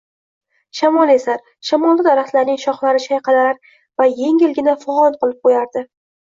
Shamol esar, shamolda daraxtlarning shoxlari chayqalar va yengilgina fig'on qilib ko'yardi.